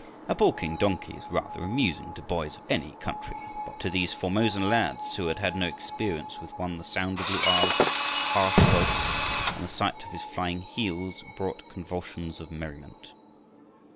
A balking donkey is rather amusing to boys of any country, but to these Formosan lads who had had no experience with one the sound of Lu a's harsh voice and the sight of his flying heels brought convulsions of merriment.